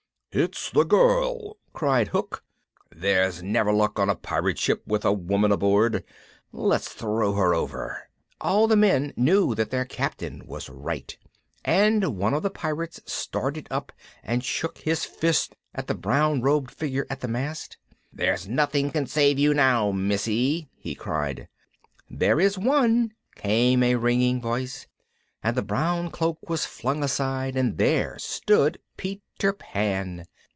"It's the girl!" cried Hook, "there's never luck on a pirate ship with a woman aboard; let's throw her over." All the men knew that their Captain was right, and one of the Pirates started up and shook his fist at the brown robed figure at the mast. "There's nothing can save you now, Missy," he cried. "There is one," came a ringing voice, and the brown cloak was flung aside and there stood Peter Pan.